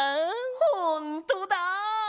ほんとだ！